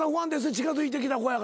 近づいてきた子やからな。